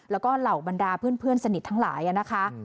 แล้วก็เหล่าบรรดาเพื่อนสนิททั้งหลายนะคะ